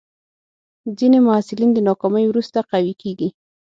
ځینې محصلین د ناکامۍ وروسته قوي کېږي.